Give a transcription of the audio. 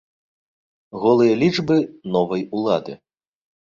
Голыя лічбы новай улады.